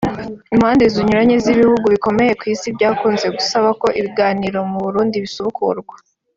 Impande zinyuranye n’ ibihugu bikomeye ku Isi byakunze gusaba ko ibiganiro mu Burundi bisubukurwa